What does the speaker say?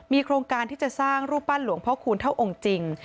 โครงการที่จะสร้างรูปปั้นหลวงพ่อคูณเท่าองค์จริง